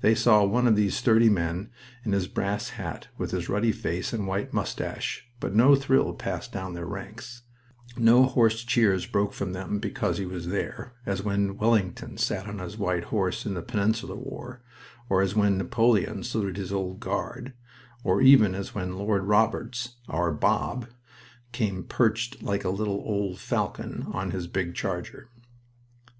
They saw one of these sturdy men in his brass hat, with his ruddy face and white mustache, but no thrill passed down their ranks, no hoarse cheers broke from them because he was there, as when Wellington sat on his white horse in the Peninsular War, or as when Napoleon saluted his Old Guard, or even as when Lord Roberts, "Our Bob," came perched like a little old falcon on his big charger.